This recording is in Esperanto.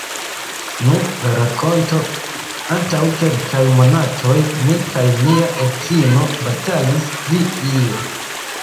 Nu, la rakonto: antaŭ kelkaj monatoj, mi kaj mia edzino batalis pri io.